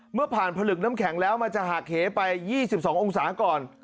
เมื่อผ่านผลึกน้ำแข็งแล้วมันจะหักเหไป๒๒องศาก่อน